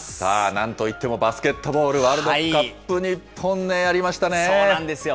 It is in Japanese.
なんと言ってもバスケットボールワールドカップ、そうなんですよ。